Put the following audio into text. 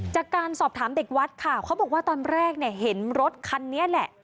จากการสอบถามเด็กวัดค่ะเขาบอกว่าตอนแรกเนี่ยเห็นรถคันนี้แหละ